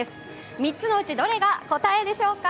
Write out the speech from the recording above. ３つのうち、どれが答えでしょうか？